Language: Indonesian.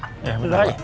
iya di luar aja